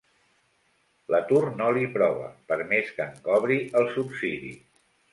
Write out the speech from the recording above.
L'atur no li prova, per més que en cobri el subsidi.